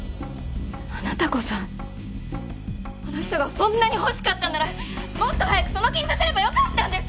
あなたこそあの人がそんなに欲しかったんならもっと早くその気にさせればよかったんですよ！